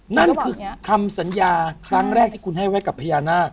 นั่นคือคำสัญญาครั้งแรกที่คุณให้ไว้กับพญานาค